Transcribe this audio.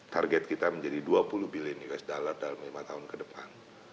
target kita menjadi dua puluh billion usd dalam lima tahun ke depan